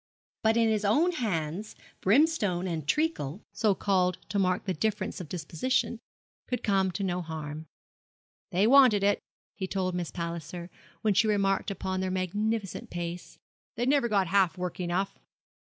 But in his own hands, Brimstone and Treacle so called to mark their difference of disposition could come to no harm. 'They wanted it,' he told Miss Palliser, when she remarked upon their magnificent pace, 'they never got half work enough.'